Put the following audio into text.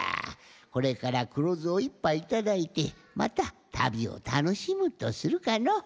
これから黒酢を１ぱいいただいてまたたびをたのしむとするかの。